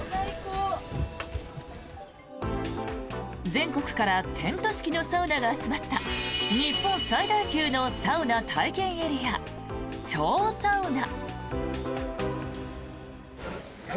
全国からテント式のサウナが集まった日本最大級のサウナ体験エリア超サウナ。